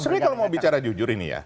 sri kalau mau bicara jujur ini ya